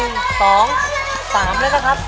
๑๒๓แล้วก็ครับ